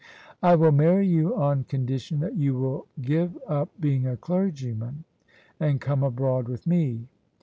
" I will marry you on condition that you will give up being a clergyman, and come abroad with me.